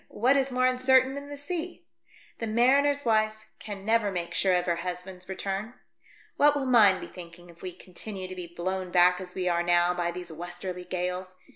What is more uncertain than the sea ? The mariner's wife can never make sure of her husband's return. What will mine be thinking if we continue to be blown back as we are now by these westerly gales ?